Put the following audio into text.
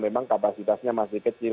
memang kapasitasnya masih kecil